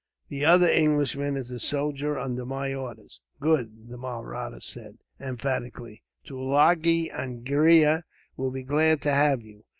The other Englishman is a soldier, under my orders." "Good," the Mahratta said, emphatically. "Tulagi Angria will be glad to have you.